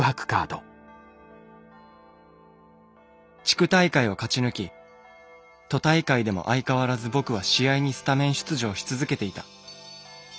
「地区大会を勝ち抜き都大会でも相変わらず僕は試合にスタメン出場し続けていた。